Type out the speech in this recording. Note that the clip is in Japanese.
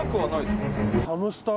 ハムスター？